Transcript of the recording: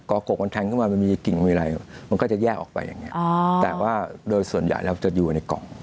กกมันแทงขึ้นมามันมีกิ่งมีอะไรมันก็จะแยกออกไปอย่างนี้แต่ว่าโดยส่วนใหญ่เราจะอยู่ในกล่อง